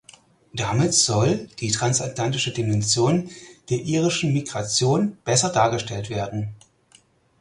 Damit soll die transatlantische Dimension der irischen Migration besser dargestellt werden.